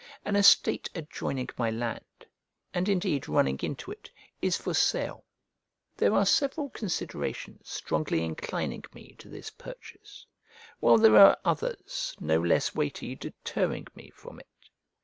An estate adjoining my land, and indeed running into it, is for sale. There are several considerations strongly inclining me to this purchase, while there are others no less weighty deterring me from it.